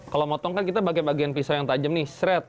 kalau motong kan kita pakai bagian pisau yang tajam nih seret